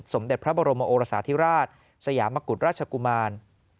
สมเด็จพระบรมโอรสาธิราชสยามกุฎราชกุมาร